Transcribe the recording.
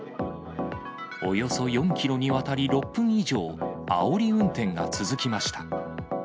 およそ４キロにわたり６分以上、あおり運転が続きました。